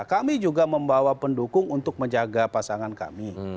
kami juga membawa pendukung untuk menjaga pasangan kami